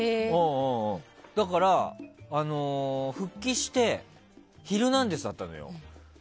だから、復帰して「ヒルナンデス！」だったのよ。